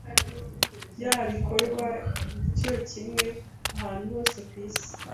Yaba ikorwa cyo kimwe ahantu hose ku isi